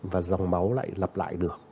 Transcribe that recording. và dòng máu lại lặp lại được